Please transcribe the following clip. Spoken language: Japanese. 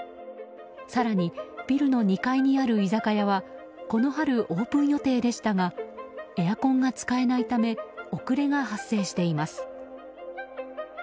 更に、ビルの２階にある居酒屋はこの春オープン予定でしたがエアコンが使えないため遅れが発生しています。